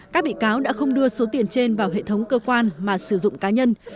các bị cáo đã không đưa số tiền trên vào hệ thống cơ quan mà sử dụng cá nhân